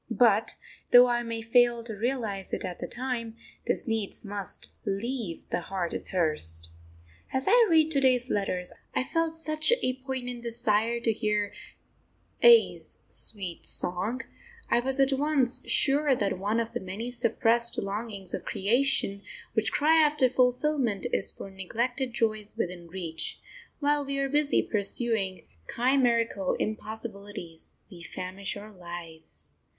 But, though I may fail to realise it at the time, this needs must leave the heart athirst. As I read to day's letters, I felt such a poignant desire to hear A 's sweet song, I was at once sure that one of the many suppressed longings of creation which cry after fulfilment is for neglected joys within reach; while we are busy pursuing chimerical impossibilities we famish our lives....